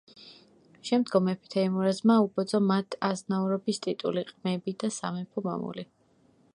შემდგომ მეფე თეიმურაზმა უბოძა მათ აზნაურობის ტიტული, ყმები და სამეფო მამული.